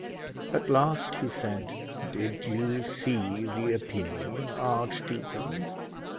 At last he said, "Did you see the opinion, archdeacon?"